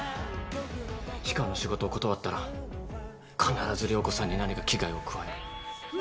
氷川の仕事を断ったら必ず涼子さんに何か危害を加える。